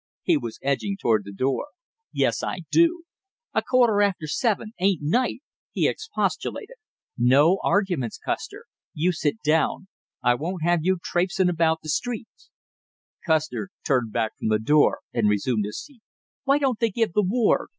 He was edging toward the door. "Yes, I do!" "A quarter after seven ain't night!" he expostulated. "No arguments, Custer! You sit down! I won't have you trapesing about the streets." Custer turned back from the door and resumed his seat. "Why don't they give the ward?